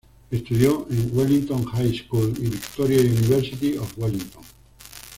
Estudió en Wellington High School y Victoria University of Wellington.